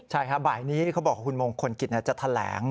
ใช่ครับบ่ายนี้เขาบอกว่าคุณมงคลกิจจะแถลง